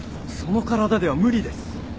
その体では無理です。